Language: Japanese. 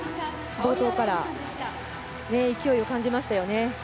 冒頭から勢いを感じましたよね。